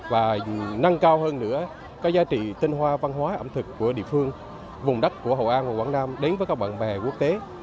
và nâng cao hơn nữa các giá trị tinh hoa văn hóa ẩm thực của địa phương vùng đất của hội an và quảng nam đến với các bạn bè quốc tế